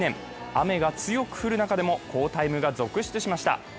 雨が強く降る中でも好タイムが続出しました。